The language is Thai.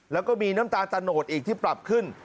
แล้วก็มีน้ำตาลตะโนดอีกที่ปรับขึ้น